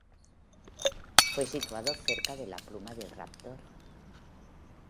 Fue situado cerca de la pluma de Raptor.